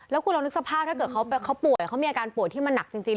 แล้วคุณลองนึกสภาพถ้าเกิดเขาป่วยเขามีอาการป่วยที่มันหนักจริง